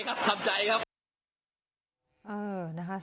โอเคครับทำใจครับ